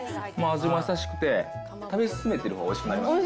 味も優しくて、食べ進めてるほうがおいしくなる。